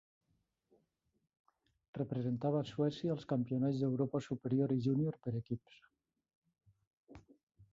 Representava Suècia als Campionats d'Europa Superior i Júnior per Equips.